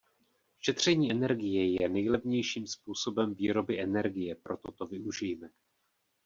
Šetření energie je nejlevnějším způsobem výroby energie, proto to využijme.